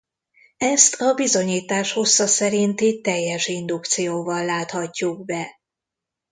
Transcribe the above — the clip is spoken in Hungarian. Ezt a bizonyítás hossza szerinti teljes indukcióval láthatjuk be.